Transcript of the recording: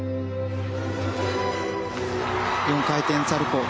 ４回転サルコウ。